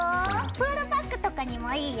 プールバッグとかにもいいよ。